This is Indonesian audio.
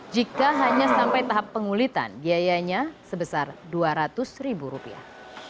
jika hanya sampai tahap pengulitan biayanya sebesar dua ratus ribu rupiah